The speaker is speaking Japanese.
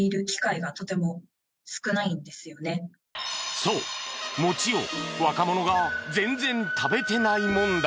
そうもちを若者が全然食べてない問題